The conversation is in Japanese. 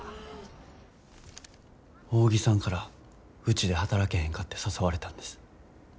扇さんからうちで働けへんかて誘われたんです。